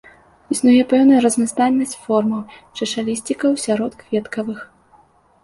Існуе пэўная разнастайнасць формаў чашалісцікаў сярод кветкавых.